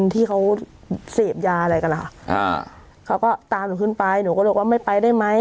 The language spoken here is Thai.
ที่เขาเสพยาอะไรกันล่ะค่ะอ่าเขาก็ตามหนูขึ้นไปหนูก็เลยบอกว่าไม่ไปได้ไหม